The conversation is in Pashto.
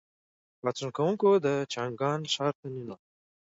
پاڅون کوونکي د چانګان ښار ته ننوتل.